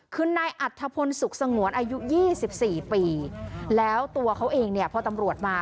คือนายอัธพลสุขสงวนอายุ๒๔ปีแล้วตัวเขาเองเนี่ยพอตำรวจมา